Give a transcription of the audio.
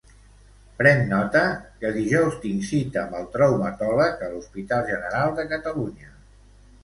Pren nota que dijous tinc cita amb el traumatòleg a l'Hospital General de Catalunya.